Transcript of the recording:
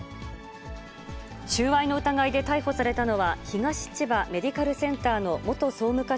収賄の疑いで逮捕されたのは、東千葉メディカルセンターの元総務課